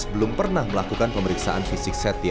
belum pernah melakukan pemeriksaan fisik setia